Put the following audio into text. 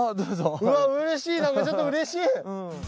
うわぁうれしいなんかちょっとうれしい！